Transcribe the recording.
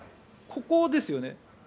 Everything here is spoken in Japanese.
ここですよね。